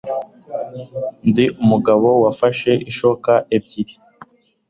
Nzi umugabo wafashe ishoka ebyiri